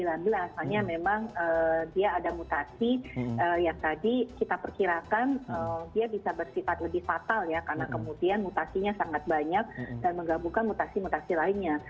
asalnya memang dia ada mutasi yang tadi kita perkirakan dia bisa bersifat lebih fatal ya karena kemudian mutasinya sangat banyak dan menggabungkan mutasi mutasi lainnya